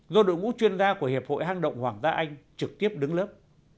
do đội ngũ chuyên gia của hiệp hội hang động hoàng gia anh trực tiếp đứng lớp